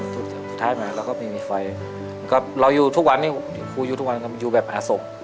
สุดท้ายมาเราก็ไม่มีไฟก็เราอยู่ทุกวันนี้ครูอยู่ทุกวันอยู่แบบหาศพ